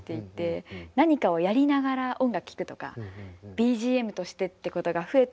何かをやりながら音楽聴くとかＢＧＭとしてってことが増えた